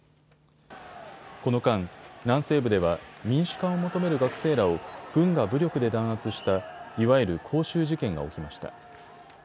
この間、南西部では民主化を求める学生らを軍が武力で弾圧したいわゆる光州事件が起きました。